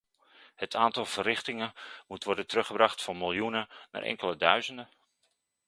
Het aantal verrichtingen moet worden teruggebracht van miljoenen naar enkele duizenden.